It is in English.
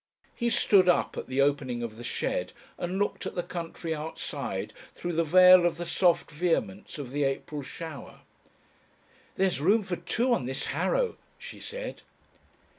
He stood up at the opening of the shed and looked at the country outside through the veil of the soft vehemence of the April shower. "There's room for two on this harrow," she said.